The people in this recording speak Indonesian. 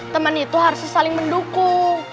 teman itu harus saling mendukung